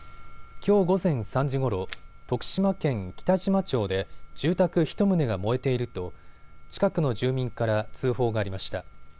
きょう午前３時ごろ徳島県北島町で住宅１棟が燃えていると近くの住民から通報がありました。